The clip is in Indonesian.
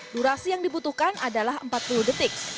durasi yang dibutuhkan adalah empat puluh detik